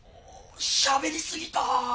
しゃべり過ぎた！